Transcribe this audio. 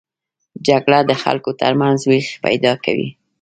جګړه د خلکو تر منځ وېش پیدا کوي